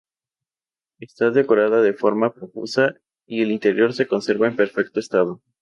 Está decorado de forma profusa y el interior se conserva en perfecto estado.